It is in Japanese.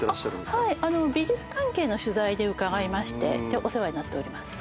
はい美術関係の取材で伺いましてお世話になっております。